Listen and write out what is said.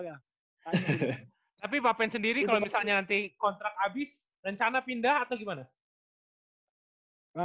tapi pak pen sendiri kalau misalnya nanti kontrak habis rencana pindah atau gimana